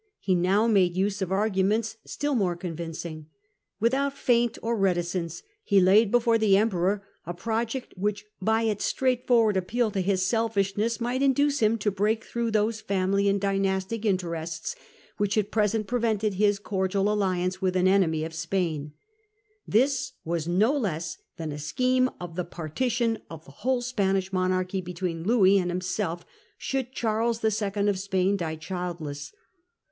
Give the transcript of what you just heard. He now made use of Suggestion arguments still more convincing. Without feint partTtkmof or reticence he laid before the Emperor a pro thc Spanish j e ct which, by its straightforward appeal to his monarchy, J ......,,, Octoberi667. selfishness, might induce him to break through those family and dynastic interests which at present pre vented his cordial alliance with an enemy of Spain. This was no less than a scheme of the partition of the whole Spanish monarchy between Louis and himself should Charles II. of Spain die childless.